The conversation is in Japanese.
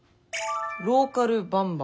「『ローカルバンバン！』